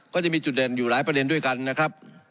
ก็จะมีจุดเด่นอยู่หลายประเด็นด้วยกันนะครับ